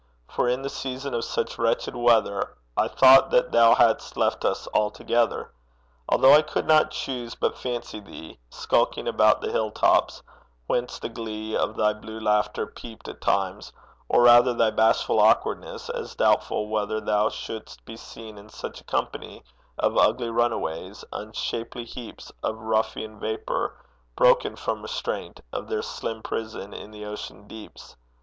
For in a season of such wretched weather I thought that thou hadst left us altogether, Although I could not choose but fancy thee Skulking about the hill tops, whence the glee Of thy blue laughter peeped at times, or rather Thy bashful awkwardness, as doubtful whether Thou shouldst be seen in such a company Of ugly runaways, unshapely heaps Of ruffian vapour, broken from restraint Of their slim prison in the ocean deeps.